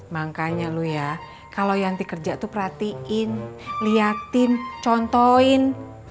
makanya lo ya kalau yanti kerja tuh perhatiin liatin contoin